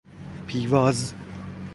پیواز